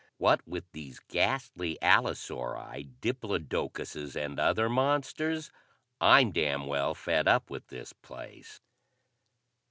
What with these ghastly allosauri, diplodocuses and other monsters, I'm damn well fed up with this place."